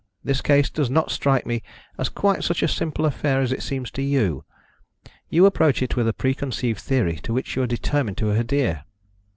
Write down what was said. This case does not strike me as quite such a simple affair as it seems to you. You approach it with a preconceived theory to which you are determined to adhere.